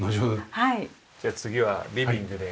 じゃあ次はリビングで。